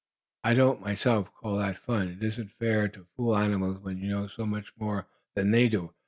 I don't, myself, call that fun. It isn't fair to fool animals when you know so much more than they do.